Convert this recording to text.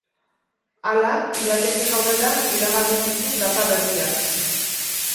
Hala, irailetik aurrera iragarri ditu data berriak.